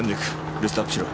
リストアップしろ。